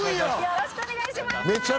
よろしくお願いします。